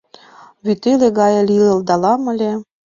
Вӱтеле гае лийылдалам ыле.